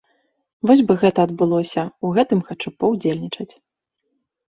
Вось бы гэта адбылося, у гэтым хачу паўдзельнічаць!